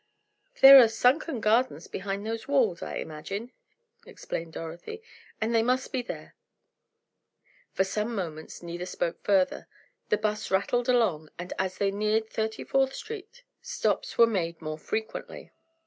"There are sunken gardens behind those walls, I imagine," explained Dorothy, "and they must be there." For some moments neither spoke further. The 'bus rattled along and as they neared Thirty fourth Street stops were made more frequently.